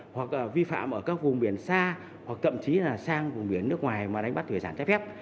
hoặc vi phạm ở các vùng biển xa hoặc thậm chí là sang vùng biển nước ngoài mà đánh bắt thủy sản trái phép